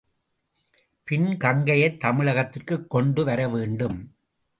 பின் கங்கையைத் தமிழகத்திற்குக் கொண்டு வர வேண்டும்.